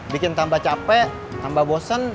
bikin tambah capek tambah bosen